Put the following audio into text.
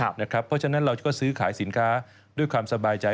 เพราะฉะนั้นเราก็ซื้อขายสินค้าด้วยความสบายใจ